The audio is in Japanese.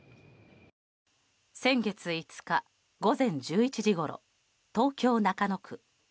先月５日午前１１時ごろ東京・中野区。